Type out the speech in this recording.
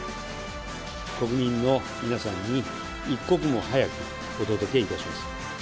国民の皆さんに一刻も早くお届けいたします。